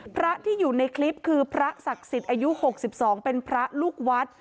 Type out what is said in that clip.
พระที่อยู่ในคลิปคือพระศักดิ์สิทธิ์อายุ๖๒เป็นพระลูกวัด